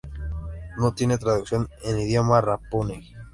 No tiene traducción en idioma rapanui.